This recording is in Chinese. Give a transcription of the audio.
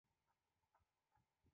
高墩四周有多条河流环绕。